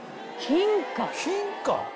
金貨？